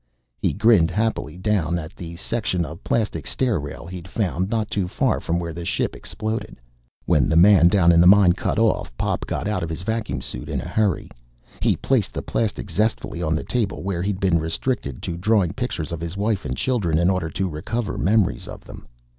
He grinned happily down at a section of plastic stair rail he'd found not too far from where the ship exploded. When the man down in the mine cut off, Pop got out of his vacuum suit in a hurry. He placed the plastic zestfully on the table where he'd been restricted to drawing pictures of his wife and children in order to recover memories of them.